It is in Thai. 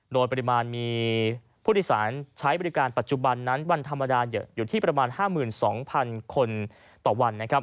โดยปริมาณมีผู้โดยสารใช้บริการปัจจุบันนั้นวันธรรมดาอยู่ที่ประมาณ๕๒๐๐๐คนต่อวันนะครับ